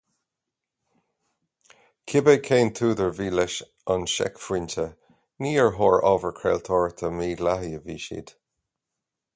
Cibé cén t-údar a bhí leis an seicphointe, ní ar thóir ábhar craoltóireachta mídhleathaí a bhí siad.